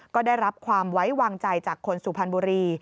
ก็ได้รับความไว้วางใจจากคนสุพรรณบุรี